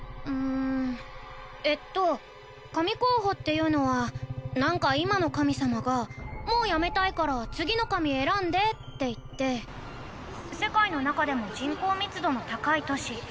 うんえっと神候補っていうのは何か今の神様がもうやめたいから次の神選んでって言って世界の中でも人口密度の高い都市